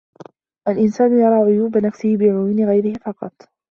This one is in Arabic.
الإنسان يرى عيوب نفسه بعيون غيره فقط.